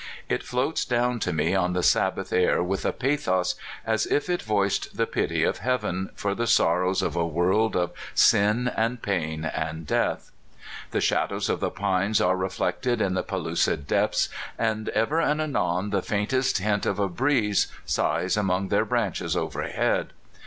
It floats down to me on the Sabbath air with a pathos as if it voiced the pity of Heaven for the sorrows of a world of sin, and pain, and death. The shadows of the pines are reflected in the pellucid depths, and ever and anon the faintest hint of a breeze sighs among their branches overhead.